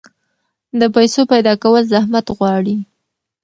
د پیسو پیدا کول زحمت غواړي.